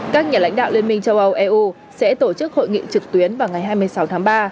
các nhà lãnh đạo liên minh châu âu eu sẽ tổ chức hội nghị trực tuyến vào ngày hai mươi sáu tháng ba